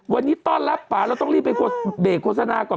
วันนี้ต้อนรับป่าเราต้องรีบไปเบรกโฆษณาก่อน